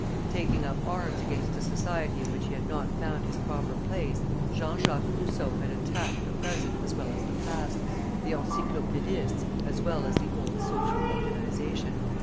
Taking up arms against a society in which he had not found his proper place, Jean Jacques Rousseau had attacked the present as well as the past, the Encyclopaedists as well as the old social organization.